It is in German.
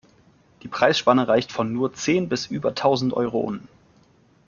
Die Preisspanne reicht von nur zehn bis über tausend Euronen.